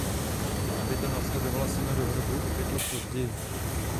Alžběta následovala syna do hrobu o pět let později.